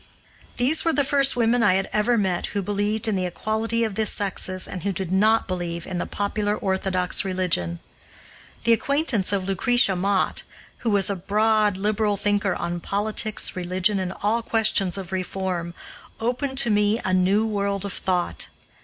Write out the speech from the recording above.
These were the first women I had ever met who believed in the equality of the sexes and who did not believe in the popular orthodox religion. The acquaintance of Lucretia Mott, who was a broad, liberal thinker on politics, religion, and all questions of reform, opened to me a new world of thought.